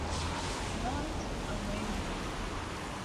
But, away with you!